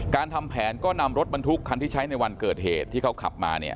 ทำแผนก็นำรถบรรทุกคันที่ใช้ในวันเกิดเหตุที่เขาขับมาเนี่ย